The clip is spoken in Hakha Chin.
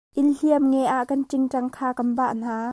Inhliam nge ah kan ṭingṭang kan bah hna.